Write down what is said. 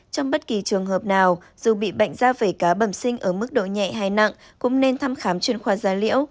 trong bất kỳ trường hợp nào dù bị bệnh da vảy cá bẩm sinh ở mức độ nhẹ hay nặng cũng nên thăm khám chuyên khoa gia liễu